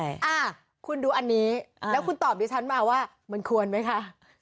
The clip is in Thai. อ่าคุณดูอันนี้แล้วคุณตอบดิฉันมาว่ามันควรไหมคะ